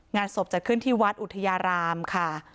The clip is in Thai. งานศพจะขึ้นที่วัดอุทยารามค่ะ